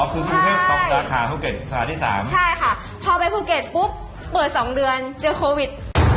คือกรุงเทพ๒สาขาภูเก็ตสาขาที่๓ใช่ค่ะพอไปภูเก็ตปุ๊บเปิด๒เดือนเจอโควิด